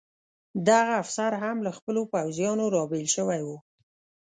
دغه افسر هم له خپلو پوځیانو را بېل شوی و.